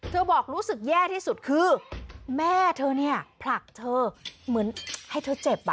บอกรู้สึกแย่ที่สุดคือแม่เธอเนี่ยผลักเธอเหมือนให้เธอเจ็บอ่ะ